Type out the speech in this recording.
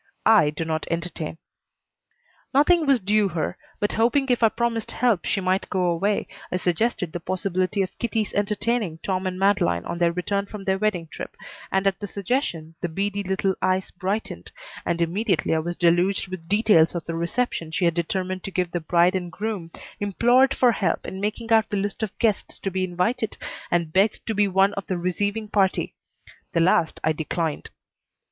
I do not entertain. Nothing was due her, but hoping if I promised help she might go away, I suggested the possibility of Kitty's entertaining Tom and Madeleine on their return from their wedding trip, and at the suggestion the beady little eyes brightened, and immediately I was deluged with details of the reception she had determined to give the bride and groom, implored for help in making out the list of guests to be invited, and begged to be one of the receiving party. The last I declined.